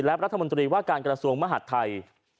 และรัฐมนตรีว่าการกรสวงภานิษฐ์มหัฒน์ไทย